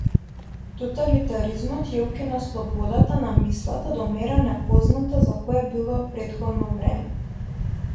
Тоталитаризмот ја укина слободата на мислата до мера непозната за кое било претходно време.